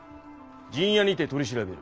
陣屋にて取り調べる。